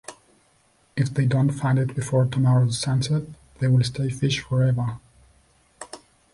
If they don't find it before tomorrow's sunset, they will stay fish forever.